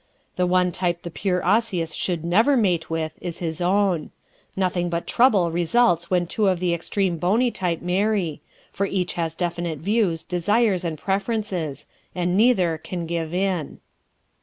The one type the pure Osseous should never mate with is his own. Nothing but trouble results when two of the extreme bony type marry, for each has definite views, desires and preferences and neither can give in.